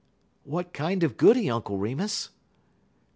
"What kind of goody, Uncle Remus?"